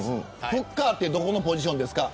フッカーってどこのポジションですか。